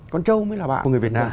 con châu mới là bạn của người việt nam